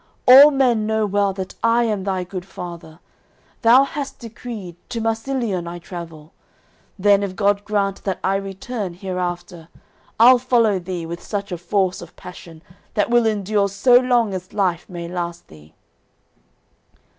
All men know well that I am thy goodfather; Thou hast decreed, to Marsiliun I travel. Then if God grant that I return hereafter, I'll follow thee with such a force of passion That will endure so long as life may last thee."